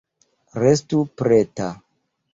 Restu preta.